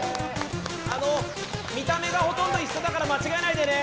あの見た目がほとんど一緒だから間違えないでね！